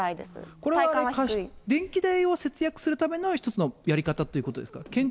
これは電気代を節約するための一つのやり方ということですか。